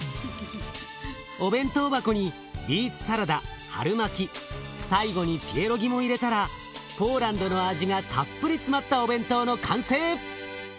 お弁当箱にビーツサラダハルマキ最後にピエロギも入れたらポーランドの味がたっぷり詰まったお弁当の完成！